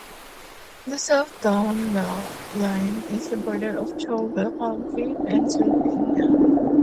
The south town line is the border of Tioga County, Pennsylvania.